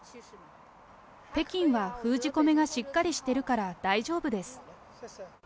北京は封じ込めがしっかりしているから大丈夫です。